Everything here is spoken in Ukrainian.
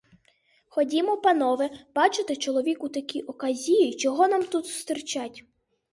Ходім, панове, бачите — чоловік у такій оказії, чого нам тут стирчать.